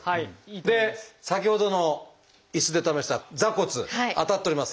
で先ほどの椅子で試した座骨当たっております。